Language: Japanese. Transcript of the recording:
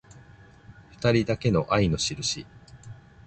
ふたりだけの愛のしるし